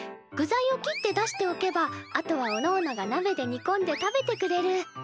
具材を切って出しておけばあとはおのおのがなべでにこんで食べてくれる。